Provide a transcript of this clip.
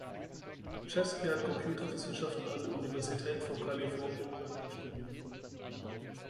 Chevsky hat Computerwissenschaft an der Universität von Kalifornien Berkeley studiert.